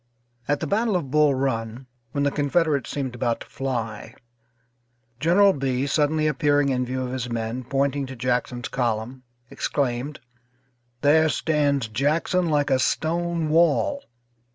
At the battle of Bull Run, when the Confederates seemed about to fly, General Bee suddenly appearing in view of his men, pointing to Jackson's column exclaimed: "There stands Jackson like a stone wall."